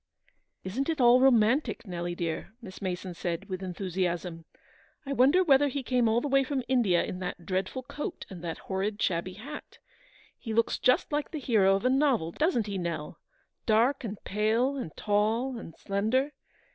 " Isn't it all romantic, Nelly, dear?" Miss Mason said, with enthusiasm. " I wonder whether he came all the way from India in that dreadful coat and that horrid shabby hat ? He looks just like the hero of a novel, doesn't he, Nell ? dark and pale, and tall and slender.